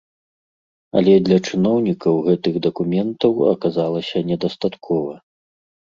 Але для чыноўнікаў гэтых дакументаў аказалася не дастаткова.